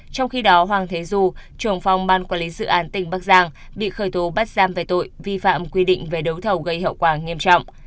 trong khi đó hoàng thế du trưởng phòng ban quản lý dự án tỉnh bắc giang bị khởi tố bắt giam về tội vi phạm quy định về đấu thầu gây hậu quả nghiêm trọng